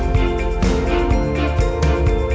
gió trắng trên lệch